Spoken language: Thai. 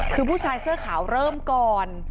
คือผู้ชายเสื้อขาวเริ่มก่อน